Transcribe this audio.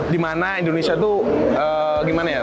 dimana indonesia tuh gimana ya